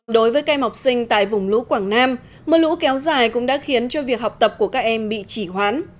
đối với các em học sinh tại vùng lũ quảng nam mưa lũ kéo dài cũng đã khiến cho việc học tập của các em bị chỉ hoán